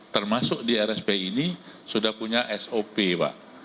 termasuk di rspi ini sudah punya sop pak